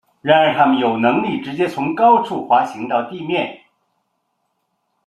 然而它们有能力直接从高处滑行到地面。